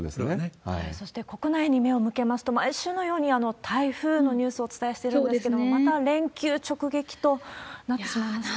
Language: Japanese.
そして、国内に目を向けますと、毎週のように台風のニュース、お伝えしてるんですけど、また連休直撃となってしまいました。